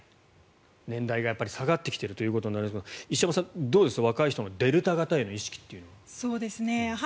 年代が下がってきているということですが石山さん、どうですか若い人のデルタ型への意識というのは。